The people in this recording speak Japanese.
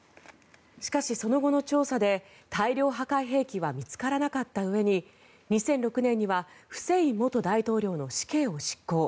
しかし、その後の調査で大量破壊兵器は見つからなかったうえに２００６年にはフセイン元大統領の死刑を執行。